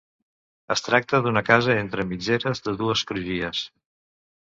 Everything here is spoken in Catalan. Es tracta d'una casa entre mitgeres de dues crugies.